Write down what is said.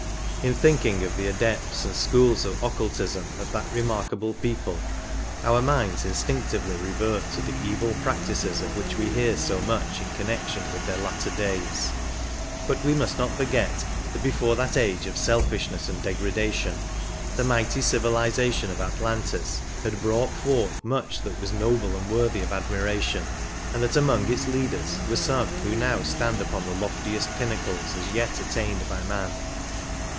In thinking of the Adepts and schools of occultism of that remarkable people our minds instinctively revert to the evil practices of which we hear so much in connection with their latter days ; but we must not forget that before that age of selfishness and degradation the mighty civilization of Atlantis had brought forth much that was noble and worthy of admiration, and that among its leaders were some who now stand upon the loftiest pinnacles as yet attained by man.